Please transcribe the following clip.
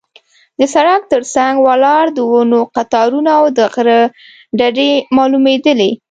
د سړک تر څنګ ولاړ د ونو قطارونه او د غره ډډې معلومېدلې.